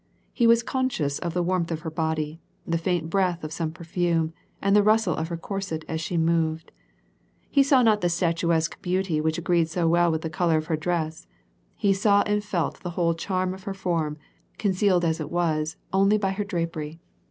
He was conscious of the warmth of her body, the faint breath of some perfume, and the rustle of her corset as she moved. He saw not the statuesque beauty which agreed so well with the color of her dress, he saw and felt the whole charm of her form, concealed as it was, only by her drapery.